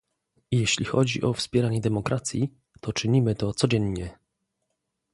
Jeśli chodzi o wspieranie demokracji, to czynimy to codziennie